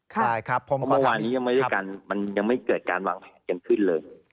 เพราะว่านี้มันยังไม่เกิดการวางเถียงขึ้นเลย